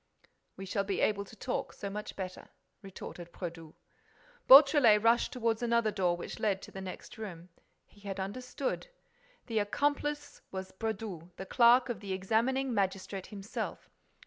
"We shall be able to talk so much better," retorted Brédoux. Beautrelet rushed toward another door, which led to the next room. He had understood: the accomplice was Brédoux, the clerk of the examining magistrate himself.